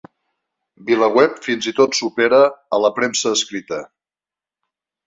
VilaWeb fins i tot supera a la premsa escrita.